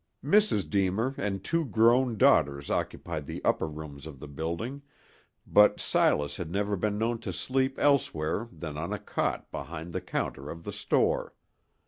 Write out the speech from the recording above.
Mrs. Deemer and two grown daughters occupied the upper rooms of the building, but Silas had never been known to sleep elsewhere than on a cot behind the counter of the store.